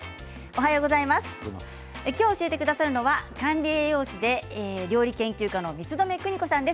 今日、教えてくださるのは管理栄養士で料理研究家の満留邦子さんです。